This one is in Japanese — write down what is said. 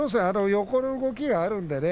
横の動きがあるんでね。